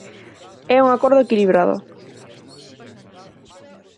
É un acordo equilibrado.